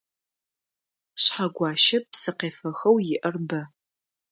Шъхьэгуащэ псыкъефэхэу иӏэр бэ.